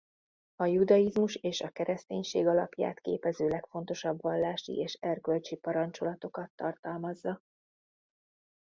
A judaizmus és a kereszténység alapját képező legfontosabb vallási és erkölcsi parancsolatokat tartalmazza.